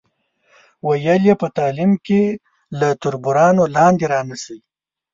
ویل یې په تعلیم کې له تربورانو لاندې را نشئ.